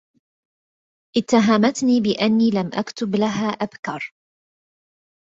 اتهمتني بأني لم أكتب لها أبكر.